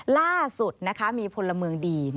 ล่าสุดมีพลเมืองดี